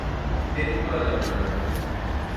দেরি করা যাবে না।